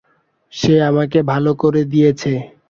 সে আমাকে ভালো করে দিয়েছে।